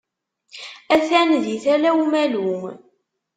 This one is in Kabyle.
Atan di Tala Umalu.